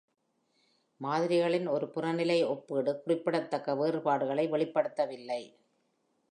மாதிரிகளின் ஒரு புறநிலை ஒப்பீடு குறிப்பிடத்தக்க வேறுபாடுகளை வெளிப்படுத்தவில்லை.